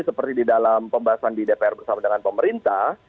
seperti di dalam pembahasan di dpr bersama dengan pemerintah